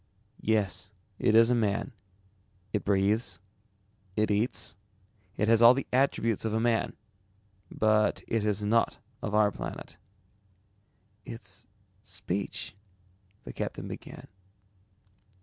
"Yes, it is a man. It breathes, it eats, it has all the attributes of a man. But it is not of our planet." "Its speech ..." the captain began.